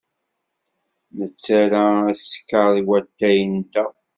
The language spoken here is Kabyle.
Nettarra askeṛ i watay-nteɣ.